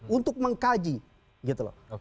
untuk mengkaji gitu loh